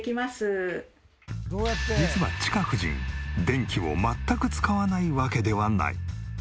実はチカ婦人電気を全く使わないわけではない。